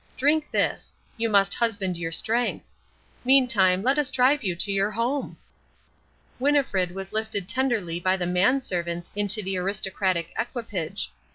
Drink this. You must husband your strength. Meantime, let us drive you to your home." Winnifred was lifted tenderly by the menservants into the aristocratic equipage.